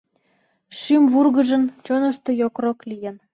Шӱм вургыжын, чонышто йокрок лийын.